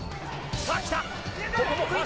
さあ、来た。